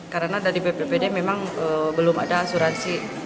karena dari bpbd memang belum ada asuransi